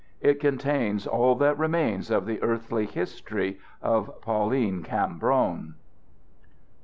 It contains all that remains of the earthly history of Pauline Cambron: XII.